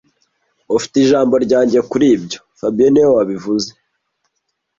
Ufite ijambo ryanjye kuri ibyo fabien niwe wabivuze